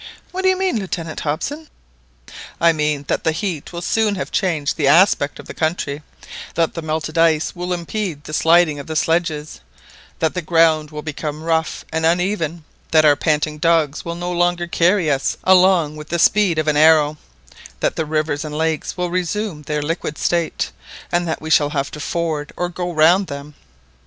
"What do you mean, Lieutenant Hobson?" "I mean that the heat will soon have changed the aspect of the country; that the melted ice will impede the sliding of the sledges; that the ground will become rough and uneven; that our panting dogs will no longer carry us along with the speed of an arrow; that the rivers and lakes will resume their liquid state, and that we shall have to ford or go round them.